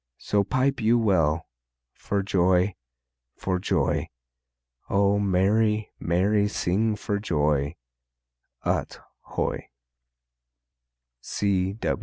So pipe you well, For joy, for joy! O merry, merry sing for joy, Ut hoy!